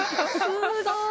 すごーい